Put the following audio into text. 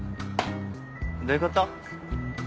どういうこと？